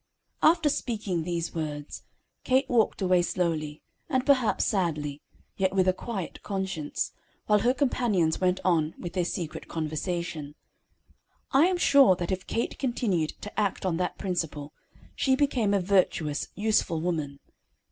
After speaking these words, Kate walked away slowly, and perhaps sadly, yet with a quiet conscience, while her companions went on with their secret conversation. I am sure that if Kate continued to act on that principle, she became a virtuous, useful woman.